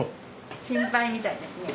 心配みたいですね。